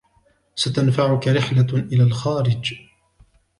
ستنفعك رحلة إلى الخارج.